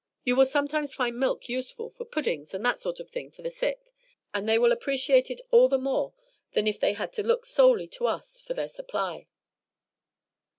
You will sometimes find milk useful for puddings and that sort of thing for the sick; and they will appreciate it all the more than if they had to look solely to us for their supply."